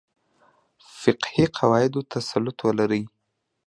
فقهي قواعدو تسلط ولري.